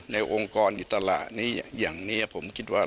ในองค์กรอิตราอย่างเนี้ยผมคิดว่า